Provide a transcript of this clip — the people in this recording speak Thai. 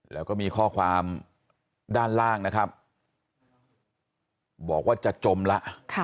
แล้วก็มีข้อความด้านล่างนะครับบอกว่าจะจมละ